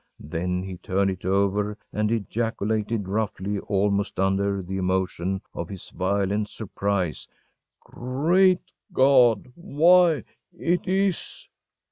Then he turned it over, and ejaculated, roughly almost under the emotion of his violent surprise: “Great God why it is